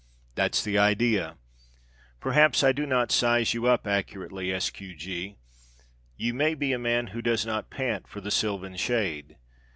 That's the idea. Perhaps I do not size you up accurately, S. Q. G. You may be a man who does not pant for the sylvan shade.